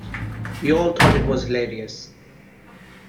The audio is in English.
We all thought it was hilarious.